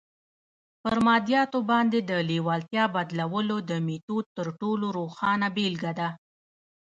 پر مادياتو باندې د لېوالتیا بدلولو د ميتود تر ټولو روښانه بېلګه ده.